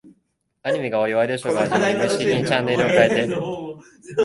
アニメが終わり、ワイドショーが始まり、無意識的にチャンネルを変えて、